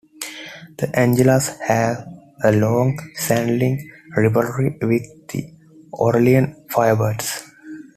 The Anglers have a long-standing rivalry with the Orleans Firebirds.